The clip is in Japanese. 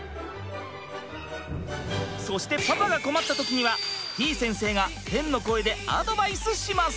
そしてパパが困った時にはてぃ先生が天の声でアドバイスします！